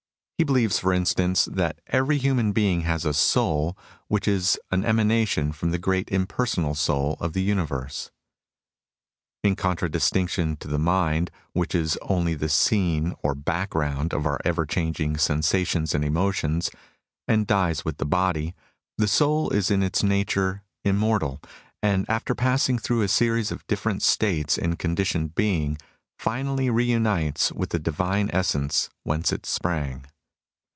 He believes, for instance, that every human being has a soul, which is an emanation from the great impersonal Soul of the universe. In contradistinction to the mind, which is only the scene or background of our ever changing sensations and emotions, and dies with the body, the soul is in its nature immortal, and after passing through a series of different states in conditioned being, finally reunites with the divine essence whence it sprang.